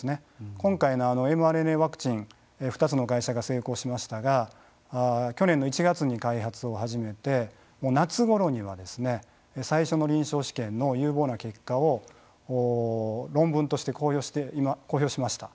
今回のｍＲＮＡワクチン２つの会社が成功しましたが去年の１月に開発を始めて夏ごろには最初の臨床試験の有望な結果を論文として公表しました。